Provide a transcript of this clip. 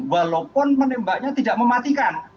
walaupun menembaknya tidak mematikan